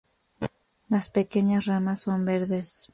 Las pequeñas ramas son verdes.